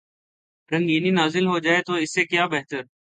رنگینی نازل ہو جائے تو اس سے کیا بہتر۔